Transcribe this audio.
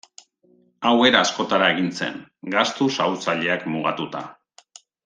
Hau era askotara egin zen: gastu xahutzaileak mugatuta.